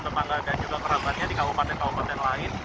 tetangga dan juga kerabatnya di kabupaten kabupaten lain